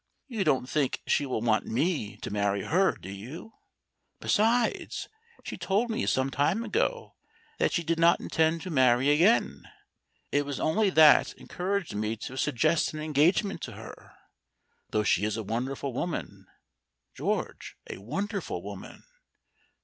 You don't think she will want me to marry her, do you? Besides, she told me some time ago that she did not intend to marry again. It was only that encouraged me to suggest an engagement to her. Though she is a wonderful woman, George a wonderful woman.